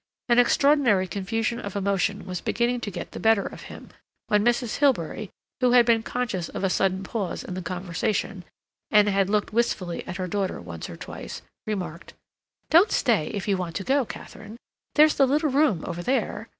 An extraordinary confusion of emotion was beginning to get the better of him, when Mrs. Hilbery, who had been conscious of a sudden pause in the conversation, and had looked wistfully at her daughter once or twice, remarked: "Don't stay if you want to go, Katharine. There's the little room over there.